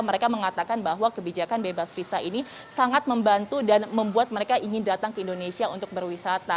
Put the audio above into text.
mereka mengatakan bahwa kebijakan bebas visa ini sangat membantu dan membuat mereka ingin datang ke indonesia untuk berwisata